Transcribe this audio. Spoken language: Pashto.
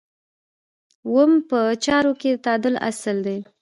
اووم په چارو کې د تعادل اصل دی.